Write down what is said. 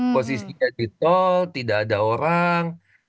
posisinya di tol tidak ada orang